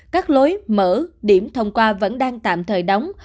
các lối mở điểm thông qua vẫn đang tạm thời đóng